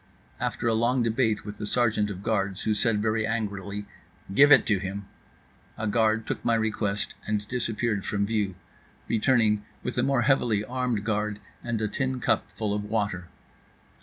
After a long debate with the sergeant of guards who said very angrily: "Give it to him," a guard took my request and disappeared from view, returning with a more heavily armed guard and a tin cup full of water.